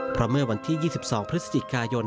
เพราะเมื่อวันที่๒๒พฤศจิกายน